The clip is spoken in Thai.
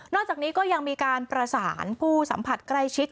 จากนี้ก็ยังมีการประสานผู้สัมผัสใกล้ชิด